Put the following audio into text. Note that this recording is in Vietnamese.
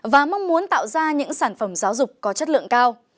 và mong muốn tạo ra những sản phẩm giáo dục có chất lượng cao